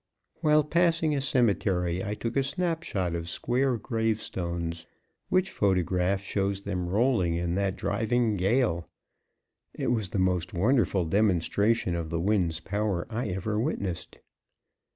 While passing a cemetery, I took a snap shot of square grave stones, which photograph shows them rolling in that driving gale. It was the most wonderful demonstration of the wind's power I ever witnessed.